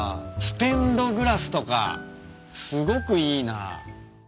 ステンドグラスとかすごくいいな。